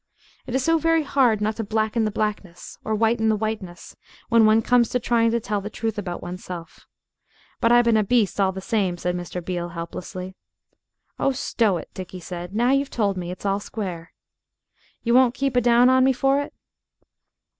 It is so very hard not to blacken the blackness, or whiten the whiteness, when one comes to trying to tell the truth about oneself. "But I been a beast all the same," said Mr. Beale helplessly. "Oh, stow it!" Dickie said; "now you've told me, it's all square." "You won't keep a down on me for it?"